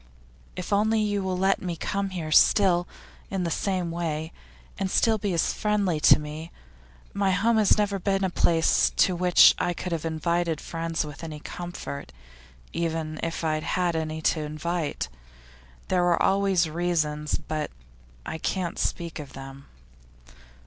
If only you will let me come here still, in the same way, and still be as friendly to me. My home has never been a place to which I could have invited friends with any comfort, even if I had had any to invite. There were always reasons but I can't speak of them.